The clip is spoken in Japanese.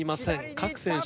各選手